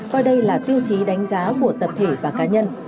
coi đây là tiêu chí đánh giá của tập thể và cá nhân